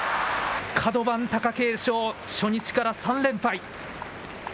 角番、貴景勝、初日から３連敗。